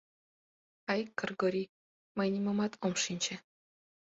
— Ай, Кыргорий, мый нимомат ом шинче...